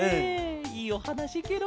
いいおはなしケロ！